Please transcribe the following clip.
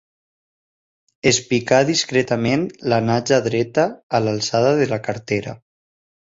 Es picà discretament la natja dreta a l'alçada de la cartera.